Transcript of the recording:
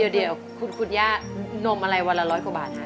เดี๋ยวคุณย่านมอะไรวันละร้อยกว่าบาทฮะ